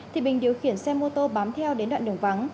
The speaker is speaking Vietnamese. thì bình điều khiển xe mô tô bám theo đến đoạn đường vắng